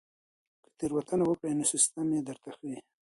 که تېروتنه وکړئ نو سیستم یې درته ښيي.